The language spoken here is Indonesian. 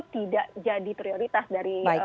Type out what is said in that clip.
tidak jadi prioritas dari